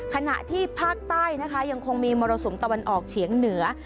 ขณะที่ภาคใต้นะคะยังคงมีมรสุมตะวันออกเฉียงเหนือ